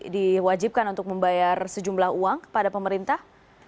diwajibkan untuk membayar sejumlah uang kepada pemerintah